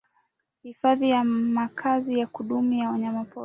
hifadhi ni makazi ya kudumu ya wanyama pori